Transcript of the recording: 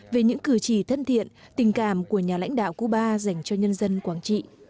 về những cử chỉ thân thiện tình cảm của nhà lãnh đạo cuba dành cho nhân dân quảng trị